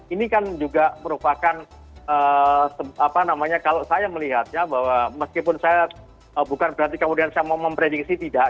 ini kan juga merupakan apa namanya kalau saya melihatnya bahwa meskipun saya bukan berarti kemudian saya mau memprediksi tidak